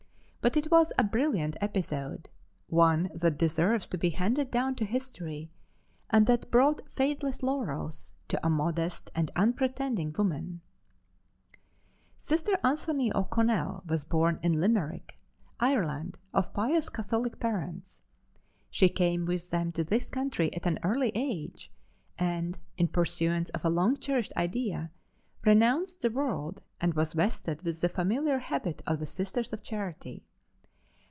But it was a brilliant episode, one that deserves to be handed down to history and that brought fadeless laurels to a modest and unpretending woman. [Illustration: SISTER ANTHONY.] Sister Anthony O'Connell was born in Limerick, Ireland, of pious Catholic parents. She came with them to this country at an early age, and, in pursuance of a long cherished idea, renounced the world and was vested with the familiar habit of the Sisters of Charity.